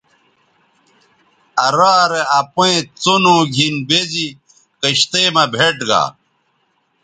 آ رارے اپئیں څنو گِھن بے زی کشتئ مہ بھئیٹ گا